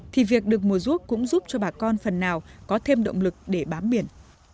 thì việc được mùa ruốc cũng giúp cho bà con phần nào có thêm động lực để bám biển